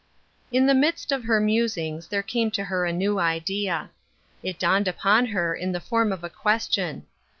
In the midst of her musings there came to her a new idea. It dawned upon her in the form of a question.